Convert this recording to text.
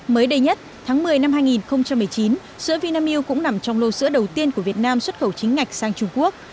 mới đây nhất tháng một mươi năm hai nghìn một mươi chín sữa vinamilk cũng nằm trong lô sữa đầu tiên của việt nam xuất khẩu chính ngạch sang trung quốc